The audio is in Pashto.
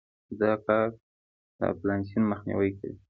دا کار د انفلاسیون مخنیوى کوي.